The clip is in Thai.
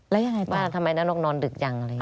แล้วยังไงต่อว่าทำไมน้องนอนดึกจังเลย